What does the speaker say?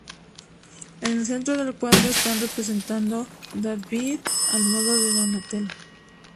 En el centro del cuadro está representado David al modo de Donatello.